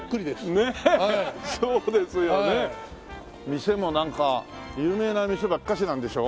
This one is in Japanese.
店もなんか有名な店ばっかしなんでしょ？